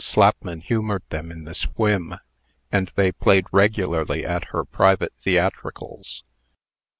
Slapman humored them in this whim, and they played regularly at her private theatricals.